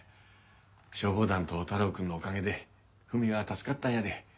消防団と太郎くんのおかげでフミは助かったんやで。